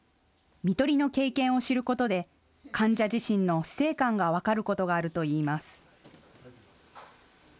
みとりの経験を知ることで患者自身の死生観が分かることがあるといいます。